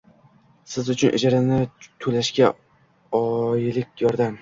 Siz ucun ijarani tulashga ojlik yordam.